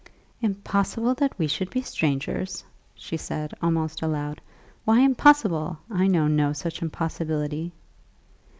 "Impossible that we should be strangers," she said almost out loud. "Why impossible? I know no such impossibility."